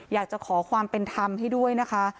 อยากจะขอความเป็นธรรมให้ด้วยนะคะ